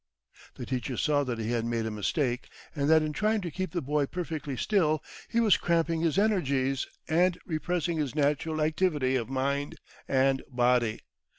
The teacher saw that he had made a mistake, and that, in trying to keep the boy perfectly still, he was cramping his energies and repressing his natural activity of mind and body.